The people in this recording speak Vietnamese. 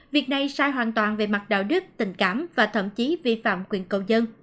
việc này sai hoàn toàn về mặt đạo đức tình cảm và thậm chí vi phạm quyền cầu dân